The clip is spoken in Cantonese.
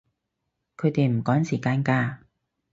佢哋唔趕㗎